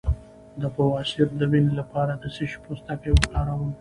د بواسیر د وینې لپاره د څه شي پوستکی وکاروم؟